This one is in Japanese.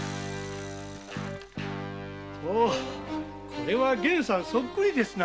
これは源さんそっくりですな。